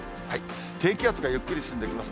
低気圧がゆっくり進んできます。